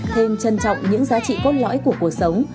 thêm trân trọng những giá trị cốt lõi của cuộc sống